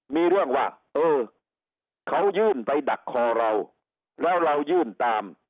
มีเรื่องว่าเออเขายื่นไปดักคอเราแล้วเรายื่นตาม